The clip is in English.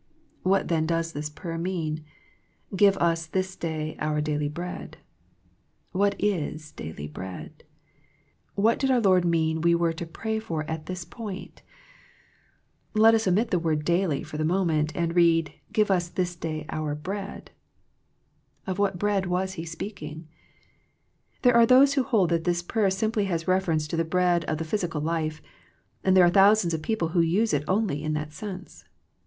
What then does this prayer mean, " Give us this THE PLANE OF PEAYER 89 day our daily bread "? What is daily bread ? What did our Lord mean we were to pray for at this point ? Let us omit the word " daily " for the moment, and read " Give us this day our bread." Of what bread was He speaking? There are those who hold that this prayer simply has reference to the bread of the physical life, and there are thousands of people who use it only in that sense.